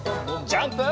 ジャンプ！